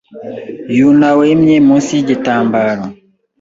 yunawemye munsi yigitambaro.